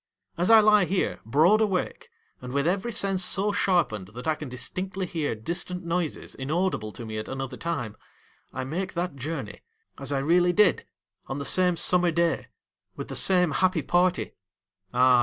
As I lie here broad awake, and with every sense so sharpened that I can distinctly hear distant noises inaudible to me at another time, I make that journey, as I really did, on the same summer day, with the same happy party — ah